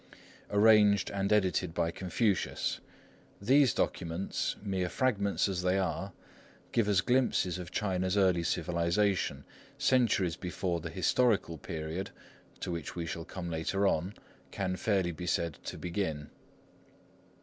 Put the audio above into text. arranged and edited by Confucius. These documents, mere fragments as they are, give us glimpses of China's early civilisation, centuries before the historical period, to which we shall come later on, can fairly be said to begin.